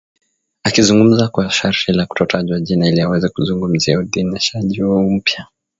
Akizungumza kwa sharti la kutotajwa jina ili aweze kuzungumzia uidhinishaji huo mpya